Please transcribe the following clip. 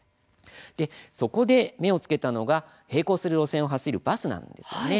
そこで目を付けたのが並行する路線を走るバスなんですね。